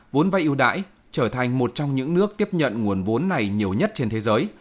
vốn vay ưu đãi trở thành một trong những nước tiếp nhận nguồn vốn này nhiều nhất trên thế giới